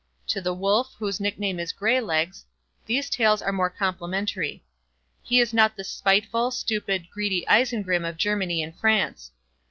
To the Wolf, whose nickname is "Graylegs", these tales are more complimentary. He is not the spiteful, stupid, greedy Isengrim of Germany and France.